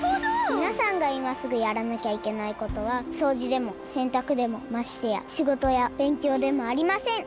みなさんがいますぐやらなきゃいけないことはそうじでもせんたくでもましてやしごとやべんきょうでもありません。